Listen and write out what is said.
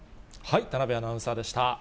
田辺アナウンサーでした。